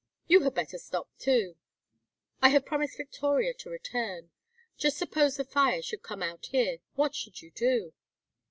You had better stop, too." "I have promised Victoria to return. Just suppose the fire should come out here, what should you do?"